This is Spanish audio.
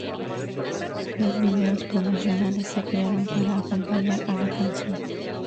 Dos videos promocionales se crearon para acompañar a la canción.